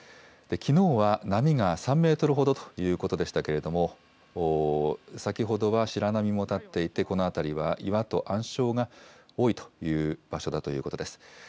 きのうは波が３メートルほどということでしたけれども、先ほどは白波も立っていて、この辺りは岩と暗礁が多いという場所だということです。